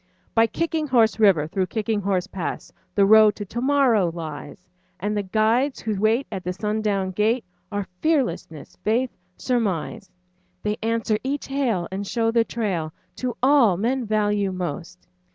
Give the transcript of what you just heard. By Kicking Horse River, through Kicking Horse Pass, The Road to Tomorrow lies; And the guides who wait at the sundown gate Are Fearlessness, Faith, Surmise. They answer each hail and show the trail To all men value most.